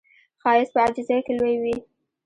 ښایست په عاجزۍ کې لوی وي